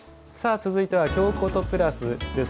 続いては「京コト＋」です。